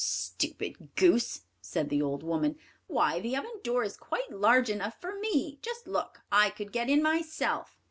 "Stupid goose," said the old woman, "why, the oven door is quite large enough for me; just look, I could get in myself."